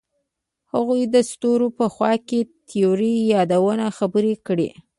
هغوی د ستوري په خوا کې تیرو یادونو خبرې کړې.